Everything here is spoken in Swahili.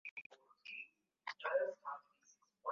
wote wawili walibaki wametulivu wakidai kufungua baa